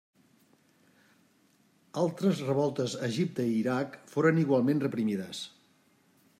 Altres revoltes a Egipte i Iraq foren igualment reprimides.